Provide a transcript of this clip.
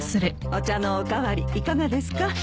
お茶のお代わりいかがですか？